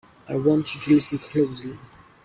I want you to listen closely!